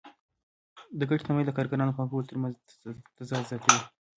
د ګټې تمایل د کارګرانو او پانګوالو ترمنځ تضاد زیاتوي